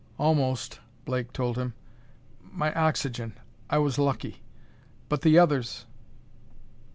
"Almost," Blake told him. "My oxygen I was lucky. But the others